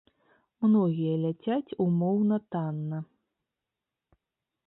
Многія ляцяць умоўна танна.